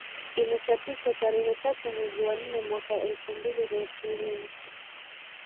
Imechapishwa tarehe tatu mwezi wa nne mwaka elfu mbili na ishirini